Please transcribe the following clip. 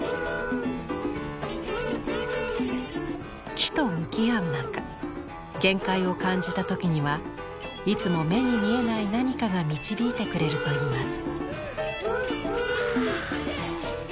木と向き合う中限界を感じた時にはいつも目に見えない何かが導いてくれるといいます。